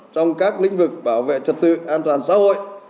trong các lĩnh vực bảo vệ trật tự an toàn xã hội